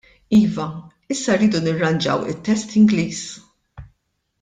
Iva, issa rridu nirranġaw it-test Ingliż.